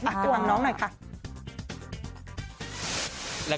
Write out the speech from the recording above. เอาดูน้องหน่อยค่ะ